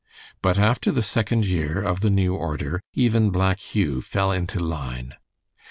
But after the second year of the new order even Black Hugh fell into line.